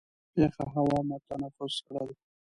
یخه هوا مو تنفس کړل.